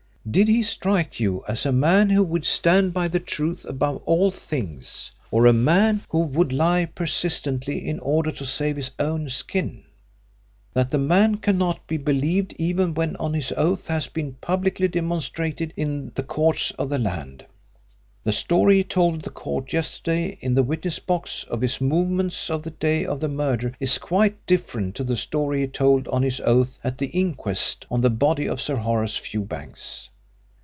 Did he strike you as a man who would stand by the truth above all things, or a man who would lie persistently in order to save his own skin? That the man cannot be believed even when on his oath has been publicly demonstrated in the courts of the land. The story he told the court yesterday in the witness box of his movements on the day of the murder is quite different to the story he told on his oath at the inquest on the body of Sir Horace Fewbanks.